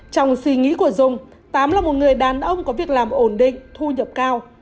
trong suy nghĩ của dung tám là một người đàn ông có việc làm ổn định thu nhập cao